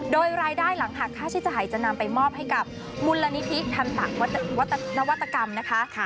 โดยรายได้หลังหากค่าใช้จ่ายจะนำไปมอบให้กับมูลนิธิธรรมนวัตกรรมนะคะ